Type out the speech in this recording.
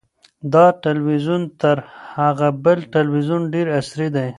دا تلویزیون تر هغه بل تلویزیون ډېر عصري دی.